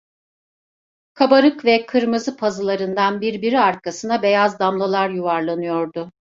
Kabarık ve kırmızı pazılarından birbiri arkasına beyaz damlalar yuvarlanıyordu.